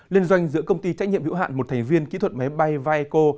liên doanh giữa công ty trách nhiệm hữu hạn một thành viên kỹ thuật máy bay vaeco